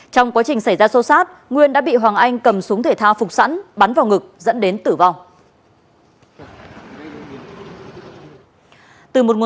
trong quá trình xảy ra xô xát nguyên đã bị hoàng anh cầm súng thể thao phục sẵn bắn vào ngực dẫn đến tử vong